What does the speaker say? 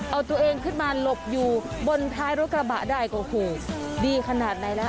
เอาตัวเองขึ้นมาหลบอยู่บนท้ายรถกระบะได้โอ้โหดีขนาดไหนล่ะ